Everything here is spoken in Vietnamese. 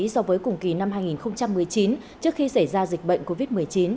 so với cùng kỳ năm hai nghìn một mươi chín trước khi xảy ra dịch bệnh covid một mươi chín